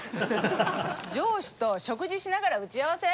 上司と食事しながら打ち合わせ？